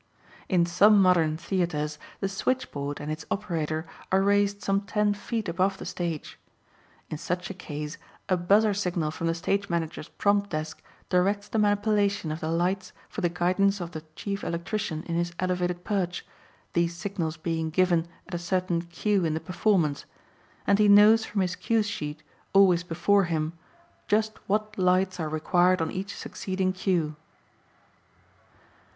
In some modern theatres the switchboard and its operator are raised some ten feet above the stage. In such a case a buzzer signal from the stage manager's prompt desk directs the manipulation of the lights for the guidance of the chief electrician in his elevated perch, these signals being given at a certain "cue" in the performance, and he knows from his cue sheet, always before him, just what lights are required on each succeeding cue.